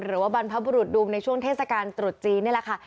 บรรพบุรุษดูมในช่วงเทศกาลตรุษจีนนี่แหละค่ะ